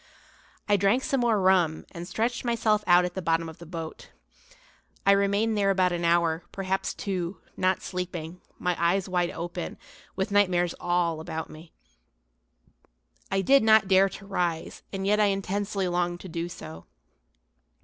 I drank some more rum and stretched myself out at the bottom of the boat. I remained there about an hour, perhaps two, not sleeping, my eyes wide open, with nightmares all about me. I did not dare to rise, and yet I intensely longed to do so.